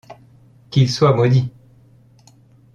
Qu’ils soient maudits !